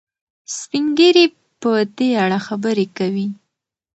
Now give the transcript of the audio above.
سپین ږیري په دې اړه خبرې کوي.